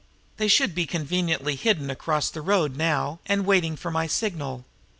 They should be conveniently hidden across the road now, and waiting for my signal.